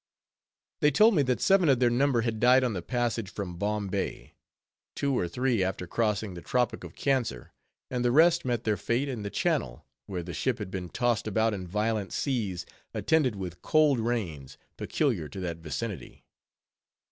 They told me that seven of their number had died on the passage from Bombay; two or three after crossing the Tropic of Cancer, and the rest met their fate in the Channel, where the ship had been tost about in violent seas, attended with cold rains, peculiar to that vicinity.